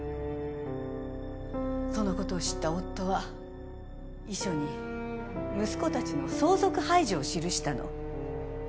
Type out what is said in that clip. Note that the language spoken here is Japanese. そのことを知った夫は遺書に息子たちの相続廃除を記したの。